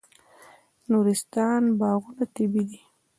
د نورستان باغونه طبیعي دي.